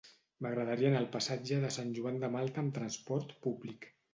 M'agradaria anar al passatge de Sant Joan de Malta amb trasport públic.